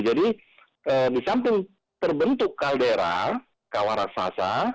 jadi di samping terbentuk kaldera kawarastasa